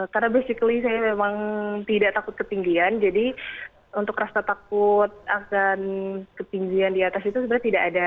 karena basically saya memang tidak takut ketinggian jadi untuk rasa takut akan ketinggian di atas itu sebenarnya tidak ada